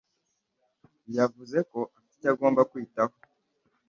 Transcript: yavuze ko afite icyo agomba kwitaho.